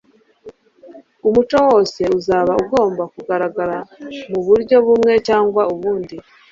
Umuco wose uzaba ugomba kugaragara mu bur-yo bumwe cyangwa ubundi;